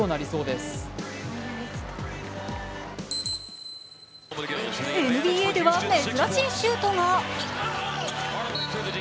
ＮＢＡでは珍しいシュートが。